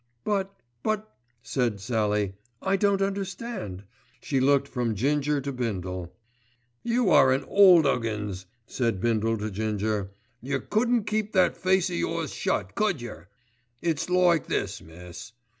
"But—but—" said Sallie, "I don't understand." She looked from Ginger to Bindle. "You are an ole 'uggins," said Bindle to Ginger. "Yer couldn't keep that face of yours shut, could yer? It's like this, miss.